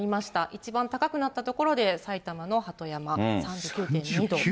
一番高くなった所で埼玉の鳩山３９．２度。